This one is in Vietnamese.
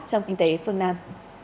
trong kinh tế phương nam